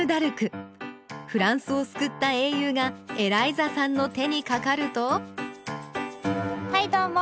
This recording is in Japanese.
フランスを救った英雄がエライザさんの手にかかるとはいどうも！